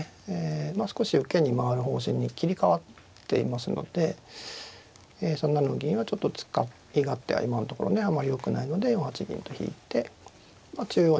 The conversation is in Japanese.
まあ少し受けに回る方針に切り替わっていますので３七の銀はちょっと使い勝手が今のところねあまりよくないので４八銀と引いて中央に。